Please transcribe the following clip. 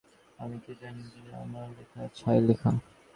আমি কি জানি না যে, আমার লেখা ছাই লেখা।